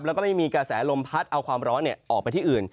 แล้วก็ไม่มีกระแสลมพัดเอาความร้อนออกไปที่อื่น